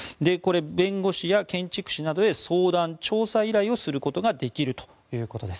弁護士や建築士などへ相談、調査依頼をすることができるそうです。